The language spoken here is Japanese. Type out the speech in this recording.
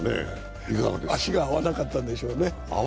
足が合わなかったんでしょうね。